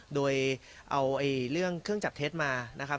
โดยเอาเรื่องเครื่องจับเท็จมานะครับ